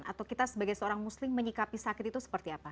atau kita sebagai seorang muslim menyikapi sakit itu seperti apa